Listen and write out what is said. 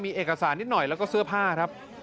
มีเอกสารนิดหน่อยแล้วก็เสื้อผ้าครับ